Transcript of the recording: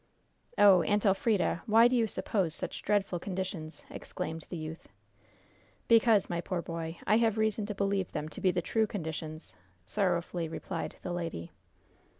"Oh, Aunt Elfrida. Why do you suppose such dreadful conditions?" exclaimed the youth. "Because, my poor boy, I have reason to believe them to be the true conditions," sorrowfully replied the lady.